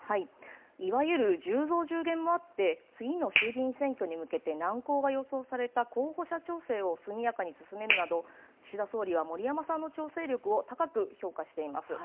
いわゆる１０増１０減もあって、次の衆議院選挙に向けて難航が予想された候補者調整を速やかに進めるなど、岸田総理は森山さんの調整力を高く評価しています。